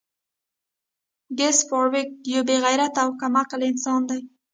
ګس فارویک یو بې غیرته او کم عقل انسان دی